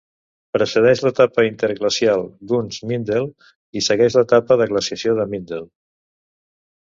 Precedeix l'etapa interglacial Günz-Mindel i segueix l'etapa de glaciació de Mindel.